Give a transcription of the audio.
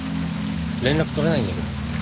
連絡取れないんだけど。